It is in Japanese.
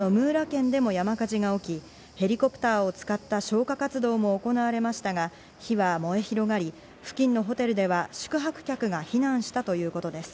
翌日には同じ南西部のムーラ県でも山火事が起き、ヘリコプターを使った消火活動も行われましたが、火は燃え広がり、付近のホテルでは宿泊客が避難したということです。